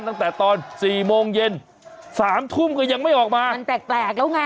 ตั้งแต่ตอนสี่โมงเย็นสามทุ่มก็ยังไม่ออกมามันแปลกแปลกแล้วไง